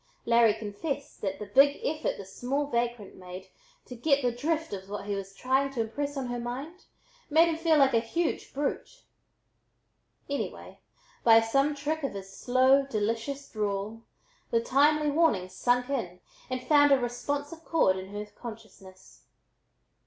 Larry confessed that the big effort this small vagrant made "to get the drift" of what he was trying to impress on her mind, made him feel like a huge brute. Anyway, by some trick of his slow, delicious drawl, the timely warning "sunk in" and found a responsive chord in her consciousness.